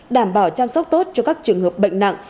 đảm bảo chăm sóc tốt cho các trường hợp bệnh nặng